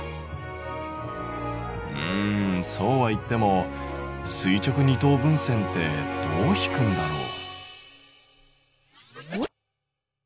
うんそうはいっても垂直二等分線ってどう引くんだろう？